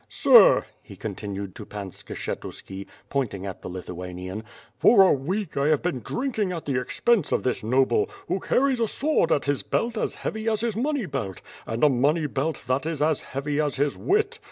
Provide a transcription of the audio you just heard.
Sir,'' he continued to Pan Skshetuski, pointing at the Lithu anian— "for a week I have been drinking at the expense of this noble, who carries a sword at his belt as heavy as his money belt, and a money belt that is as heavy as his wit.